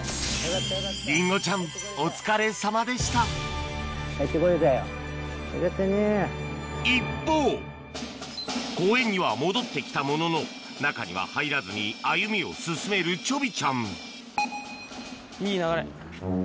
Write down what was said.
リンゴちゃんお疲れさまでした一方公園には戻ってきたものの中には入らずに歩みを進めるちょびちゃんいい流れ。